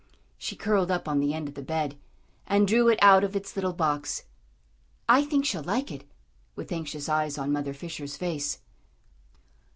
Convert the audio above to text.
She curled up on the end of the bed, and drew it out of its little box. "I think she'll like it," with anxious eyes on Mother Fisher's face.